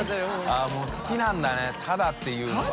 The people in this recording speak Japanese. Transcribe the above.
◆舛もう好きなんだねタダっていうのが。